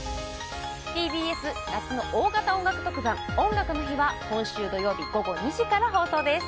ＴＢＳ夏の大型音楽特番「音楽の日」は今週土曜日午後２時から放送です